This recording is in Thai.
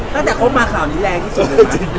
ตั้งแต่คบมาคราวนี้แรงที่สุดเลยมั้ย